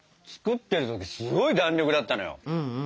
作ってる時すごい弾力だったのよ。